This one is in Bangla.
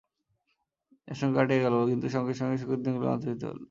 এই আশঙ্কা কাটিয়া গেল বটে, কিন্তু সঙ্গে সেই সুখের দিনগুলিও অন্তর্হিত হইল।